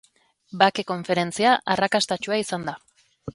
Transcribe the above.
Bake konferentzia arrakastatsua izan da.